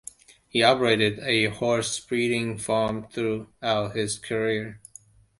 He operated a horse-breeding farm throughout his career.